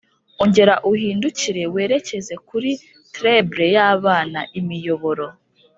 ongera uhindukire werekeza kuri treble y'abana, imiyoboro